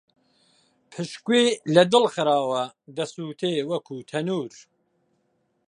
پشکۆی لە دڵ خراوە، دەسووتێ وەکوو تەنوور